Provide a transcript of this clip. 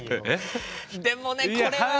でもねこれはもう。